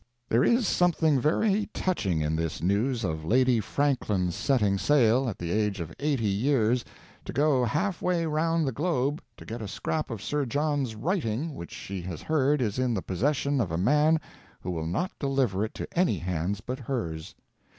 There is something very touching in this news of Lady Franklin's setting sail, at the age of eighty years, to go half way round the globe to get a scrap of Sir John's writing which she has heard is in the possession of a man who will not deliver it to any hands but hers.